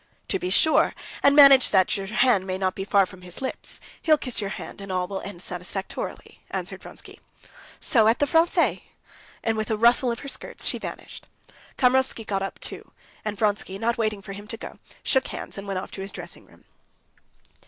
"To be sure, and manage that your hand may not be far from his lips. He'll kiss your hand, and all will end satisfactorily," answered Vronsky. "So at the Français!" and, with a rustle of her skirts, she vanished. Kamerovsky got up too, and Vronsky, not waiting for him to go, shook hands and went off to his dressing room.